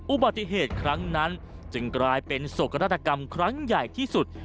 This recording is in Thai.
อุบัติเหตุครั้งนั้นจึงกลายเป็นโศกนาฏกรรมครั้งใหญ่ที่สุด